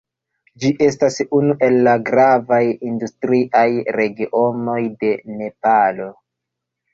Ĝi estas unu el la gravaj industriaj regionoj de Nepalo.